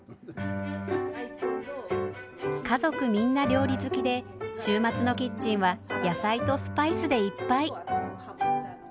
家族みんな料理好きで週末のキッチンは野菜とスパイスでいっぱい。